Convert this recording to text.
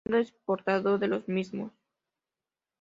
Siendo exportador de los mismos.